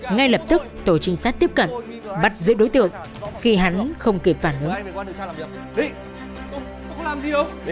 ngay lập tức tổ trinh sát tiếp cận bắt giữ đối tượng khi hắn không kịp phản ứng